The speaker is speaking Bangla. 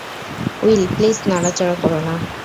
উইল, প্লিজ নড়াচড়া কোরো না।